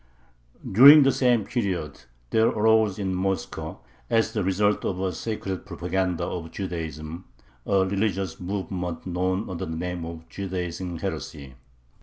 During the same period there arose in Moscow, as the result of a secret propaganda of Judaism, a religious movement known under the name of the "Judaizing heresy."